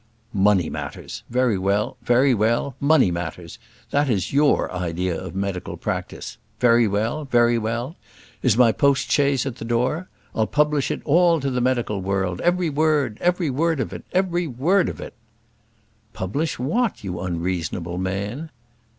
"Money matters! Very well very well; money matters. That is your idea of medical practice! Very well very well. Is my post chaise at the door? I'll publish it all to the medical world every word every word of it, every word of it." "Publish what, you unreasonable man?"